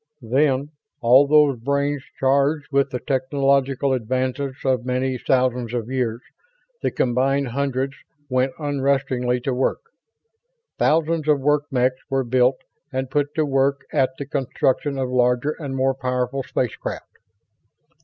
Then, all those brains charged with the technological advances of many thousands of years, the combined hundreds went unrestingly to work. Thousands of work mechs were built and put to work at the construction of larger and more powerful space craft.